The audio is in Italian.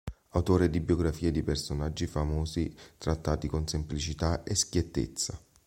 Autore di biografie di personaggi famosi, trattati con semplicità e schiettezza.